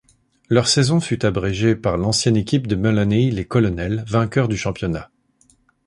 Leur saison fut abrégée par l'ancienne équipe de Mullaney, les Colonels, vainqueurs du championnat.